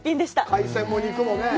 海鮮も肉もね。